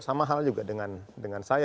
sama hal juga dengan saya